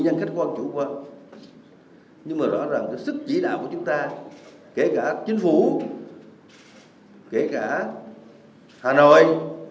nhưng mà rõ ràng cái sức chỉ đạo của chúng ta kể cả chính phủ kể cả hà nội